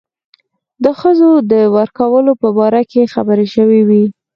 د ښځو د ورکولو په باره کې خبرې شوې وې.